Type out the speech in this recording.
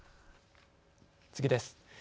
次です。